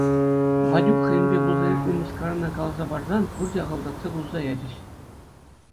Ванюк хӑйӗнпе пулса иртнӗ мыскарана каласа парсан пурте ахӑлтатса кулса ячӗҫ.